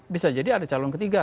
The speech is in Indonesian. bisa jadi ada calon ketiga